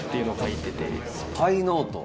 スパイノート？